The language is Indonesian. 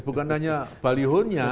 bukan hanya balihonya